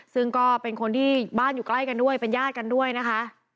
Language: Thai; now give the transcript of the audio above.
ซึ่งก็เป็นคนที่บ้านอยู่ใกล้กันด้วยเป็นญาติกันด้วยนะคะ